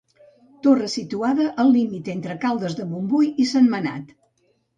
Torre situada al límit entre Caldes de Montbui i Sentmenat.